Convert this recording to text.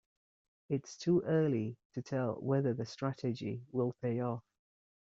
It's too early to tell whether the strategy will pay off.